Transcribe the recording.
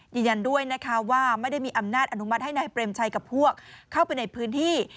ยืนยันด้วยนะคะว่าไม่ได้มีอำนาจอนุมัติให้นายเปรมชัยกับพวกเข้าไปในพื้นที่